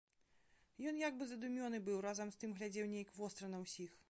Ён як бы задумёны быў, разам з тым глядзеў нейк востра на ўсіх.